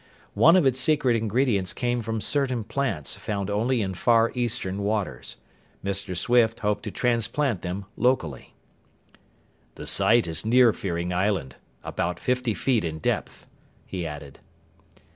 One of its secret ingredients came from certain plants found only in Far Eastern waters. Mr. Swift hoped to transplant them locally. "The site is near Fearing Island about fifty feet in depth," he added.